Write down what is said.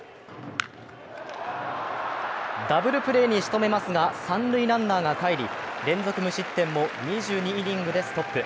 ダブルプレーに仕留めますが、三塁ランナーが帰り、連続無失点も２２イニングでストップ。